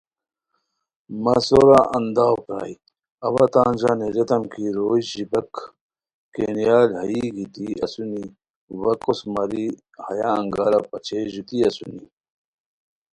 مہ سورا انداؤ پرائے اواتان ژانہ ریتام کی روئے ژیباک (کینیبال) ہایی گیتی اسونی وا کوس ماری ہیا انگارہ پاچئے ژوتی اسونی